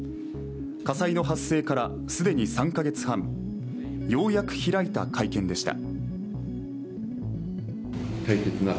火災の発生から既に３カ月半、ようやく開いた会見でした。